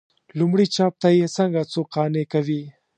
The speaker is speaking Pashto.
لومړي چاپ ته یې څنګه څوک قانع کوي.